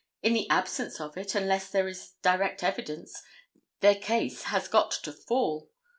In the absence of it, unless there is direct evidence, their case has got to fall.